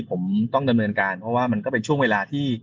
ผมต้องดำเนินการเพราะว่ามันก็เป็นช่วงเวลาที่